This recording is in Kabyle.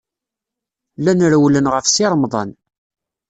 Llan rewwlen ɣef Si Remḍan.